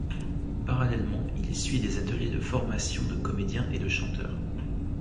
Parallèlement, il suit des ateliers de formation de comédien et de chanteur.